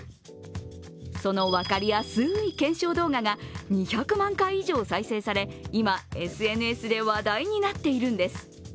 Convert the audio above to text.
その分かりやすい検証動画が２００万回以上再生され今、ＳＮＳで話題になっているんです。